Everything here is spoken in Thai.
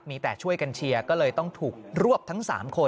มีแต่ช่วยกันเชียร์ก็เลยต้องถูกรวบทั้ง๓คน